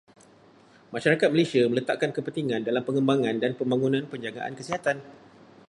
Masyarakat Malaysia meletakkan kepentingan dalam pengembangan dan pembangunan penjagaan kesihatan.